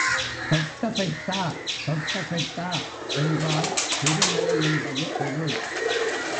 தொட்டபெட்டா தொட்டபெட்டா என்றால் பெருமலை என்பது பொருள்.